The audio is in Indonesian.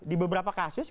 di beberapa kasus